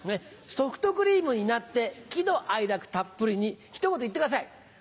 ソフトクリームになって喜怒哀楽たっぷりにひと言言ってください。